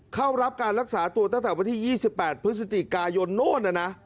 เข้ารับการรักษาตัวตั้งแต่วันที่๒๘พฤศจิกายนโน่น